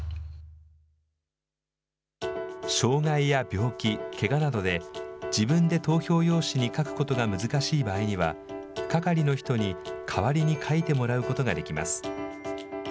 障害や病気、けがなどで、自分で投票用紙に書くことが難しい場合には、係の人に代わりに書いてもらうことができます。